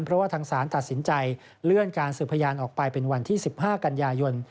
เพราะว่าทางศาลตัดสินใจเลื่อนการสืบพยานออกไปเป็นวันที่๑๕กันยายน